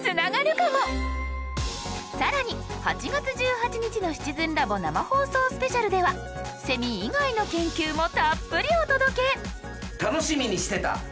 更に８月１８日の「シチズンラボ生放送スペシャル」ではセミ以外の研究もたっぷりお届け！